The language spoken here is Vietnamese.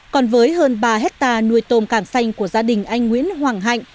còn với hơn ba hectare nuôi tôm càng xanh của gia đình anh nguyễn hoàng hạnh